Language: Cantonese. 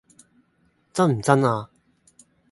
真唔真呀